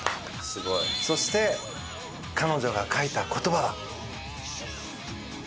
そして彼女が書いた言葉は。